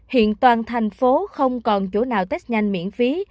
hiện toàn thành phố không còn chỗ nào test nhanh miễn phí